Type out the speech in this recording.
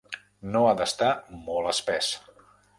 No ha d'estar molt espès.